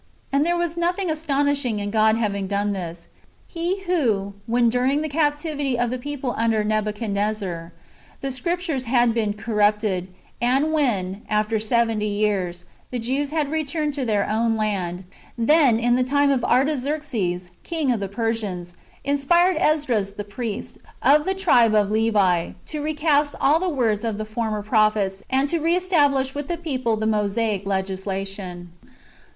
And there was nothing astonishing in God having done this, — He who, when, during the captivity of the people under Nebuchadnezzar, the Scriptures had been corrupted, and when, after seventy years, the Jews had returned to their own land, then, in the times of Artaxerxes king of the Persians, inspired Esdras the priest, of the tribe of Levi, to recast^ all the words of the former prophets, and to re establish with the people the Mosaic legislation.